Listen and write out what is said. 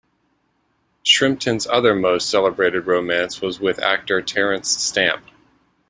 Shrimpton's other most celebrated romance was with actor Terence Stamp.